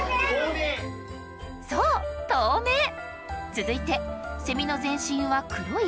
続いてセミの全身は黒い？